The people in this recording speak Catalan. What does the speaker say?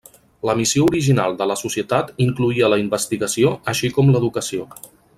La missió original de la societat incloïa la investigació així com l'educació.